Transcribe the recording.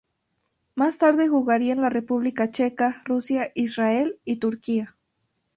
Más tarde, jugaría en la República Checa, Rusia, Israel y Turquía.